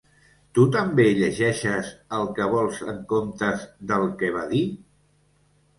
Tu també llegeixes el que vols en comptes del que va dir?